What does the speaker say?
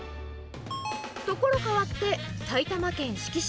所変わって、埼玉県志木市。